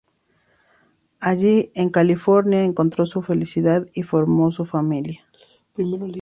Allí, en California, encontró su felicidad y formó su familia.